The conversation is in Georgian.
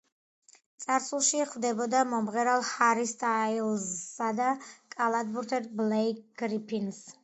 წარსულში ხვდებოდა მომღერალ ჰარი სტაილზსა და კალათბურთელ ბლეიკ გრიფინს.